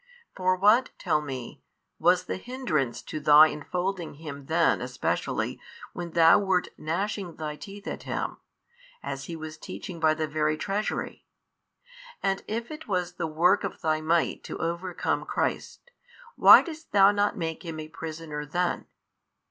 For what, tell me, was the hindrance to thy enfolding Him then especially when thou wert gnashing thy teeth at Him, as He was teaching by the very treasury? and if it was the work of thy might to |579 overcome Christ, why didst thou not make Him a prisoner then?